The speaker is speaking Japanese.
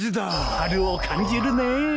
春を感じるねえ。